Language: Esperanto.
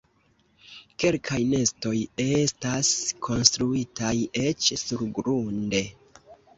Kelkaj nestoj estas konstruitaj eĉ surgrunde.